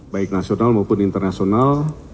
baik nasional maupun internasional